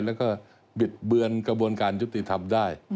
แล้วก็บิดเบือนกระบวนการยุติธรรมได้